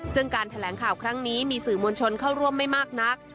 ซึ่งการแถลงข่าวครั้งนี้มีสื่อมวลชนเข้าร่วมไม่มากนัก